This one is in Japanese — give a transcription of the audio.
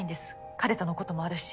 彼とのこともあるし。